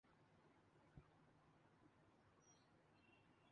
غور کرنے کا مقام ہے۔